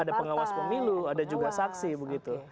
ada pengawas pemilu ada juga saksi begitu